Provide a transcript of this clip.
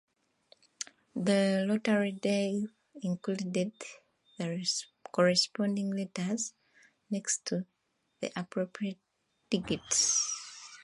The rotary dial included the corresponding letters next to the appropriate digits.